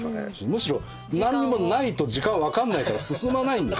むしろ何にもないと時間分かんないから進まないんです。